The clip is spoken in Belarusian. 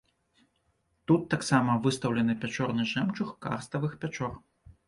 Тут таксама выстаўлены пячорны жэмчуг карставых пячор.